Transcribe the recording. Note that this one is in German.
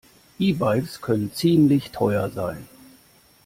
E-Bikes können ziemlich teuer sein.